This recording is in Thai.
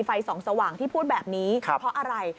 ไฟส่องสว่างที่พูดแบบนี้เพราะอะไร